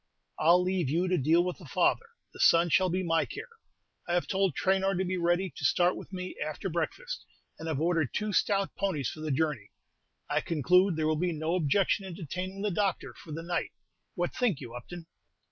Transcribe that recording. "I'll leave you to deal with the father; the son shall be my care. I have told Traynor to be ready to start with me after breakfast, and have ordered two stout ponies for the journey. I conclude there will be no objection in detaining the doctor for the night: what think you, Upton?"